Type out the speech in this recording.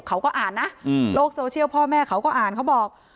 เขาก็อ่านนะโลกโซเชียลพ่อแม่เขาก็อ่านเขาบอก